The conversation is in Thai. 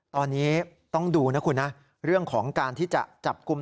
ตอนนี้ต้องดูนะคุณนะเรื่องของการที่จะจับกลุ่ม